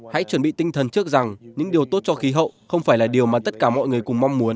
hãy chuẩn bị tinh thần trước rằng những điều tốt cho khí hậu không phải là điều mà tất cả mọi người cùng mong muốn